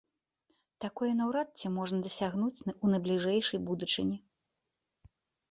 Такое наўрад ці можна дасягнуць у найбліжэйшай будучыні.